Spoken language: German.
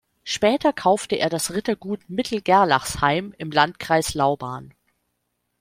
Später kaufte er das Rittergut Mittel-Gerlachsheim im Landkreis Lauban.